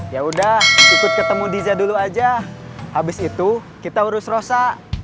ya udah ikut ketemu diza dulu aja habis itu kita urus rosa